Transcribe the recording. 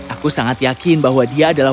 aku sangat yakin bahwa dia akan menemukanmu